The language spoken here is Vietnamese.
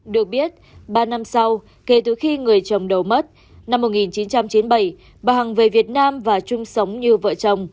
được biết ba năm sau kể từ khi người chồng đầu mất năm một nghìn chín trăm chín mươi bảy bà hằng về việt nam và chung sống như vợ chồng